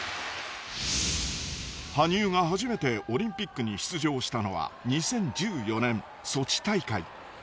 羽生が初めてオリンピックに出場したのは２０１４年ソチ大会。